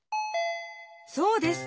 そうです。